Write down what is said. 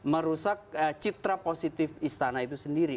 merusak citra positif istana itu sendiri